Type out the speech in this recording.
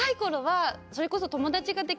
それこそ。